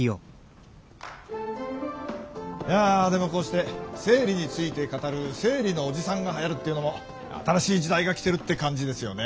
いやでもこうして生理について語る生理のおじさんがはやるっていうのも新しい時代が来てるって感じですよね。